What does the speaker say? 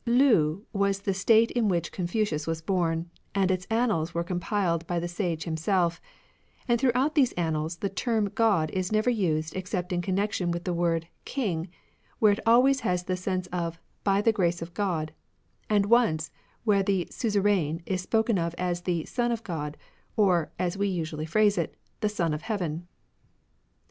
Lu was the State in which Confucius was bom, and its annals were compiled by the Sage himself ; and throughout these Annals the term God is never used except in connection with the word "King," where it always has the sense of " by the grace of God," and once where the suzerain is spoken of as "the Son of God," or, as we usually phrase it, " the Son of Heaven."